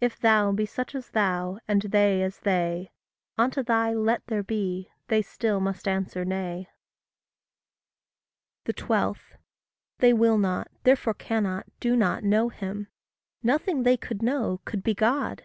If thou be such as thou, and they as they, Unto thy Let there be, they still must answer Nay. 12. They will not, therefore cannot, do not know him. Nothing they could know, could be God.